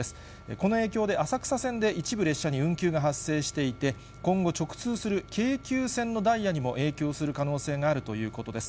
この影響で浅草線で一部列車に運休が発生していて、今後直通する京急線のダイヤにも影響する可能性があるということです。